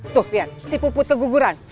tuh biar si puput keguguran